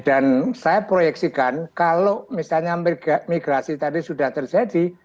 dan saya proyeksikan kalau misalnya migrasi tadi sudah terjadi